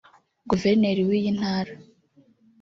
Guverineri w’iyi Ntara